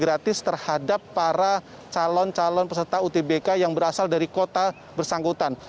mereka juga melakukan tes gratis terhadap para calon calon peserta utbk yang berasal dari kota bersangkutan